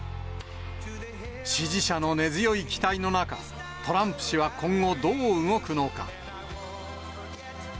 支持者の根強い期待の中、トランプ氏は今後どう動くのか。